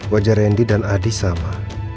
wajah randy dan adi sama